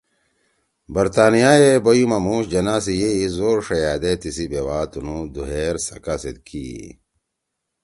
برطانیہ ئے بیُو ما مُوش جناح سی یئی زور ݜیأ دے تیِسی بیوا تنُو دُھوئیر سَکا